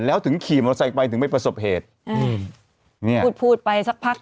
แล้วถึงขี่มอเตอร์ไซค์ไปถึงไปประสบเหตุอืมเนี่ยพูดพูดไปสักพัก